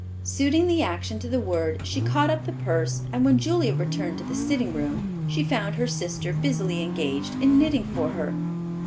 Suiting the action to the word, she caught up the purse, and when Julia returned to the sitting room, she found her sister busily engaged in knitting for her.